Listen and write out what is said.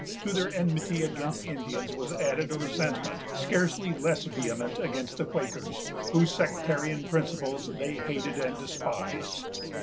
To their enmity against Indians was added a resentment, scarcely less vehement, against the Quakers, whose sectarian principles they hated and despised.